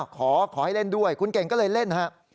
ขอให้เล่นด้วยคุณเก่งก็เลยเล่นฮะ